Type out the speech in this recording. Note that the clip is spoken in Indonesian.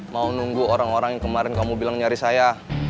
mau nunggu orang orang yang kemarin kamu bilang nyari saya